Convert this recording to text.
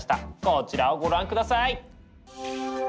こちらをご覧下さい！